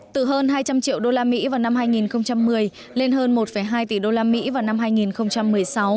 từ hơn hai trăm linh triệu đô la mỹ vào năm hai nghìn một mươi lên hơn một hai tỷ đô la mỹ vào năm hai nghìn một mươi sáu